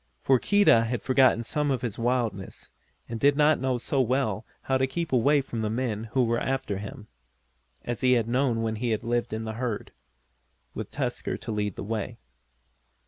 For Keedah had forgotten some of his wildness, and did not know so well how to keep away from the men who were after him, as he had known when he lived in the herd, with Tusker to lead the way.